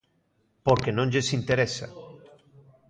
Porque non lles interesa.